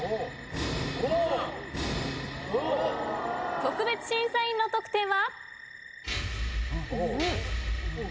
特別審査員の得点は？